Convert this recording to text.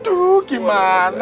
aduh gimana ini